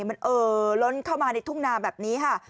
มันเอ่อล้นเข้ามาในทุ่งนาแบบนี้ค่ะ